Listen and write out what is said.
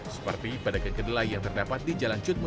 seperti pedagang kedelai yang terdapat di jalan cutmu